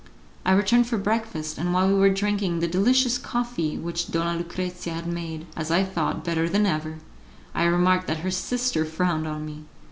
I returned for breakfast, and while we were drinking the delicious coffee which Donna Lucrezia had made, as I thought, better than ever, I remarked that her sister frowned on me.